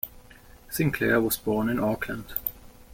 Sinclair was born in Auckland.